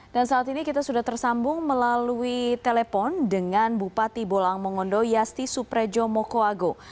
dan saat ini kita sudah tersambung melalui telepon dengan bupati bolang mongondo yasti suprejo mokoago